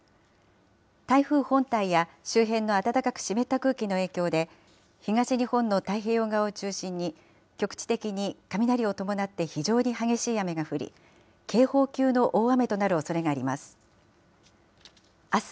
台風本体や周辺の暖かく湿った空気の影響で、東日本の太平洋側を中心に、局地的に雷を伴って非常に激しい雨が降り、警報級の大雨となるおそれがあります。